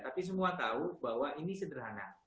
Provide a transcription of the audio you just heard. tapi semua tahu bahwa ini sederhana